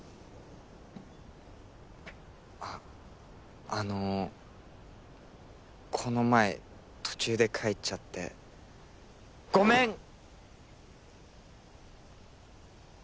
あっあのこの前途中で帰っちゃってごめん！